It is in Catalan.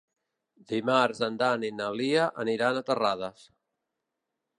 Dimarts en Dan i na Lia aniran a Terrades.